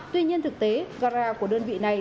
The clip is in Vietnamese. tuy nhiên thực tế gara của đơn vị này